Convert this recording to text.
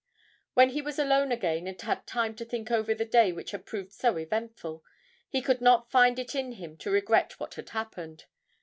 When he was alone again and had time to think over the day which had proved so eventful, he could not find it in him to regret what had happened.